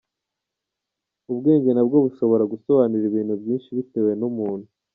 Ubwenge na bwo bushobora gusobanura ibintu byinshi bitewe n’umuntu.